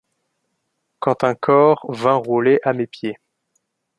Quand un corps vint rouler à mes pieds.